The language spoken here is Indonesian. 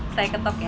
saya ketok ya